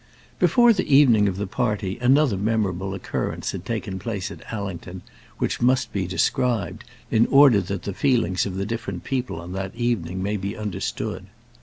Before the evening of the party another memorable occurrence had taken place at Allington, which must be described, in order that the feelings of the different people on that evening may be understood.